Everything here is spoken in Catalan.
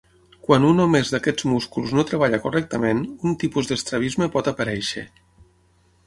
Quan un o més d'aquests músculs no treballa correctament, un tipus d'estrabisme pot aparèixer.